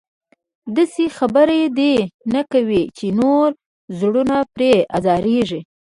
داسې خبره دې نه کوي چې نورو زړونه پرې ازارېږي.